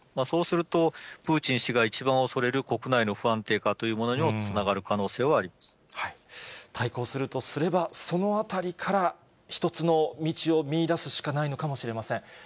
そうすると、プーチン氏が一番恐れる国内の不安定化というものにもつながる可対抗するとすれば、そのあたりから一つの道を見いだすしかないのかもしれません。